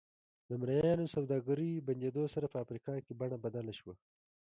د مریانو سوداګرۍ بندېدو سره په افریقا کې بڼه بدله شوه.